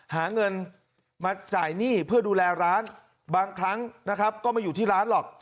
หาเงินมาจ่ายหนี้เพื่อดูแลร้านบางครั้งนะครับก็ไม่อยู่ที่ร้านหรอก